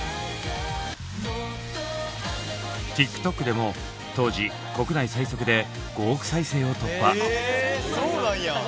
ＴｉｋＴｏｋでも当時国内最速で５億再生を突破。